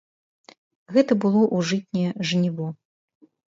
Гэта было ў жытняе жніво.